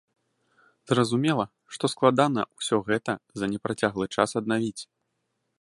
Зразумела, што складана ўсё гэта за непрацяглы час аднавіць.